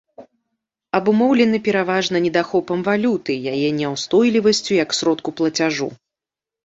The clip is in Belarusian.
Абумоўлены пераважна недахопам валюты, яе няўстойлівасцю як сродку плацяжу.